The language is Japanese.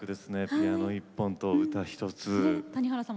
ピアノ一本と歌一つ。